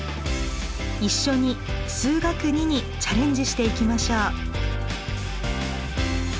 一緒に「数学Ⅱ」にチャレンジしていきましょう。